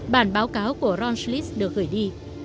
bản báo cáo của ron schlitz được gửi đi